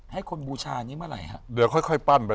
ให้คนบูชานี้เมื่อไหร่ฮะ